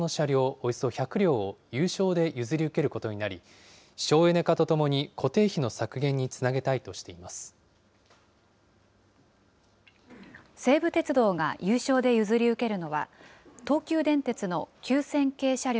およそ１００両を有償で譲り受けることになり、省エネ化とともに固定費の削減につなげたいとしていま西武鉄道が有償で譲り受けるのは、東急電鉄の９０００系車両